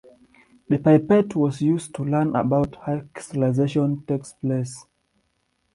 The pipette was used to learn about how crystallization takes place.